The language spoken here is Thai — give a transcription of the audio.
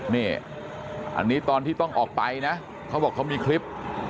นี่อันนี้ตอนที่ต้องออกไปนะเขาบอกเขามีคลิป